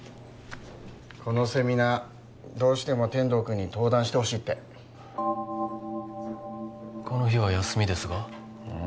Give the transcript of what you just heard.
このセミナーどうしても天堂君に登壇してほしいってこの日は休みですがうん？